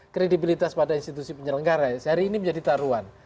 kredibilitas pada institusi penyelenggara sehari ini menjadi taruhan